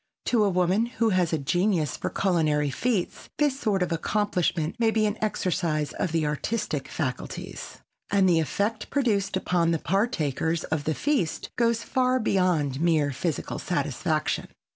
To a woman who has a genius for culinary feats, this sort of accomplishment may be an exercise of the artistic faculties; and the effect produced upon the partakers of the feast goes far beyond mere physical satisfaction.